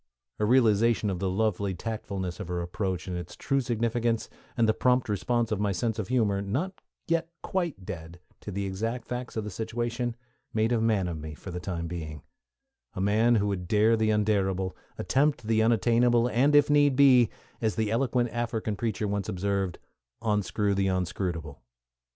A realization of the lovely tactfulness of her approach and its true significance, and the prompt response of my sense of humor, not yet quite dead, to the exact facts of the situation, made a man of me for the time being a man who would dare the undarable, attempt the unattainable, and if need be, as the eloquent African preacher once observed, "onscrew the onscrutable."